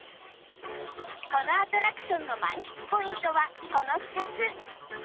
このアトラクションの満喫ポイントはこの２つ